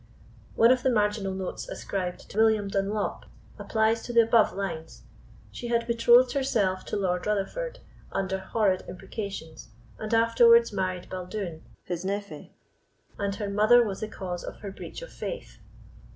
One of the marginal notes ascribed to William Dunlop applies to the above lines. "She had betrothed herself to Lord Rutherfoord under horrid imprecations, and afterwards married Baldoon, his nevoy, and her mother was the cause of her breach of faith."